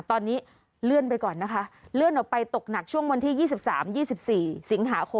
ตอนนี้เลื่อนไปก่อนนะคะเลื่อนออกไปตกหนักช่วงวันที่๒๓๒๔สิงหาคม